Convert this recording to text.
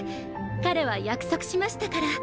彼は約束しましたから。